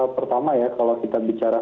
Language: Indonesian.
pertama ya kalau kita bicara